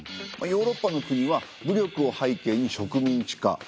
ヨーロッパの国は武力を背景に植民地化。